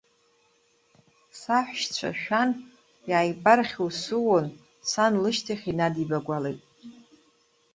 Саҳәшьцәа шәан, иааибархьусуун, сан лышьҭахь инадибагәалеит.